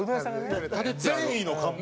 善意の看板を。